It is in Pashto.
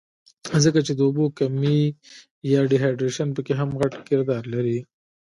ځکه چې د اوبو کمے يا ډي هائيډرېشن پکښې هم غټ کردار لري